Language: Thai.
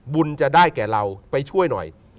บุญจะได้แก่เราไปช่วยหน่อย